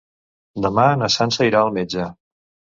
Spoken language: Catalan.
Demà na Sança irà al metge.